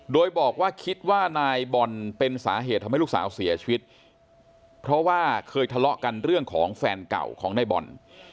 โดยบอกว่าคิดว่านายบอลเป็นสาเหตุทำให้ลูกสาวเสียชีวิตเพราะว่าเคยทะเลาะกันเรื่องของแฟนเก่าของนายบอล